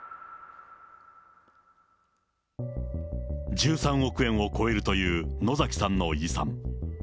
１３億円を超えるという野崎さんの遺産。